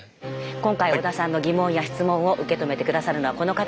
今回織田さんの疑問や質問を受け止めて下さるのはこの方です。